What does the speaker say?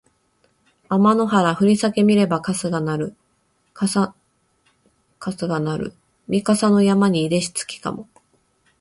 あまの原ふりさけ見ればかすがなるみ笠の山にいでし月かも